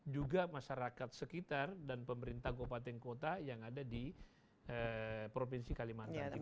juga masyarakat sekitar dan pemerintah kabupaten kota yang ada di provinsi kalimantan timur